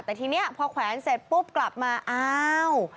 แต่ทีนี้พอแขวนเสร็จปุ๊บกลับมาอ้าว